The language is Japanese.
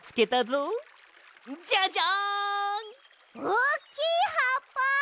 おっきいはっぱ！